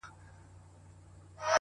څوک ابدال یو څوک اوتاد څوک نقیبان یو -